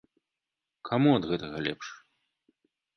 Каму ад гэтага лепш?